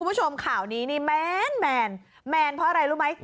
คุณผู้ชมข่าวนี้นี่แมนแมนแมนเพราะอะไรรู้ไหม